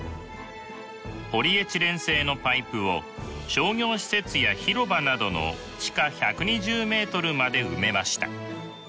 ポリエチレン製のパイプを商業施設や広場などの地下１２０メートルまで埋めました。